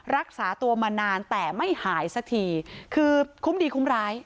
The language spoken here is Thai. รักษาตัวมานานแต่ไม่หายสักทีคือคุ้มดีคุ้มร้าย